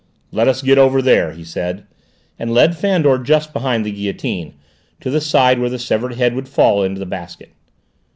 "Let us get over there," he said, and led Fandor just behind the guillotine, to the side where the severed head would fall into the basket.